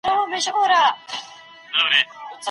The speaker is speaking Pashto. ځینې ماشومان له دې ناروغۍ سره نه ژوندي پاتې کېږي.